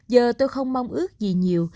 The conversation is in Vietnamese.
giờ tôi không mong ước gì nhiều